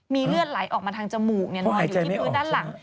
มีเลือดไหลออกมาทางจมูกนอนอยู่ที่พื้นด้านหลัง